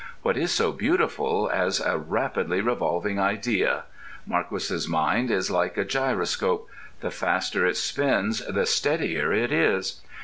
What is so beautiful as a rapidly revolving idea? Marquis's mind is like a gyroscope: the faster it spins, the steadier it is.